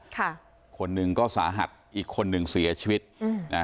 ค่ะคนหนึ่งก็สาหัสอีกคนหนึ่งเสียชีวิตอืมนะ